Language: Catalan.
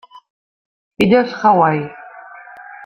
Illes Hawaii.